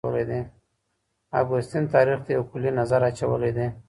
اګوستین تاریخ ته یو کلی نظر اچولی دی.